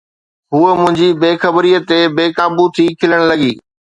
هوءَ منهنجي بي خبريءَ تي بي قابو ٿي کلڻ لڳي.